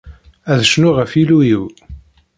Ad cnuɣ ɣef Yillu-iw.